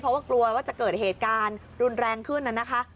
เพราะว่ากลัวว่าจะเกิดเหตุการณ์รุนแรงขึ้นน่ะนะคะ